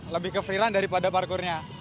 saya lebih ke freerun daripada parkurnya